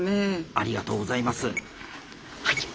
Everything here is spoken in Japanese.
ありがとうございます。